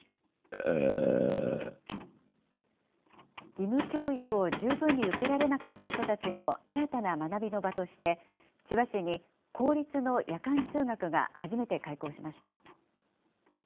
義務教育を十分に受けられなかった人たちの新たな学びの場として、千葉市に公立の夜間中学が初めて開校しました。